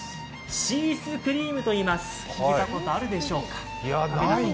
シースクリーム、聞いたことあるでしょうか。